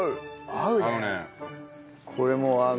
合うね。